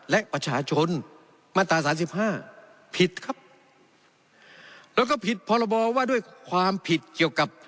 และประชาชนมาตราสามสิบห้าผิดครับแล้วก็ผิดพรบว่าด้วยความผิดเกี่ยวกับ